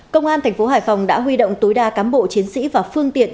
công an thành phố hải phòng đã huy động tối đa cán bộ chiến sĩ và phương tiện